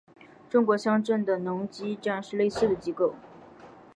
中国乡镇的农机站是类似的机构。